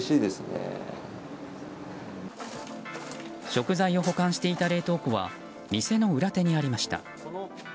食材を保管していた冷凍庫は店の裏手にありました。